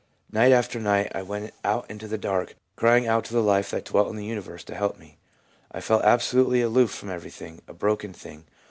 Night after night I went out into the dark, crying out to the life that dwelt in the universe to help me. I felt abso lutely aloof from everything, a broken thing.